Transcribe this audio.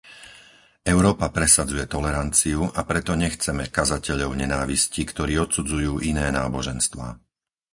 Európa presadzuje toleranciu, a preto nechceme kazateľov nenávisti, ktorí odsudzujú iné náboženstvá.